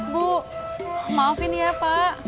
bu maafin ya pak